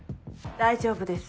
大丈夫です。